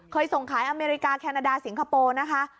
ส่งขายอเมริกาแคนาดาสิงคโปร์นะคะ